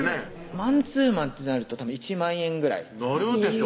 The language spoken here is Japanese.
マンツーマンってなると１万円ぐらいなるでしょ